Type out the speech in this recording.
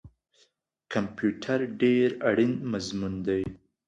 کمپیوټر ډیر اړین مضمون دی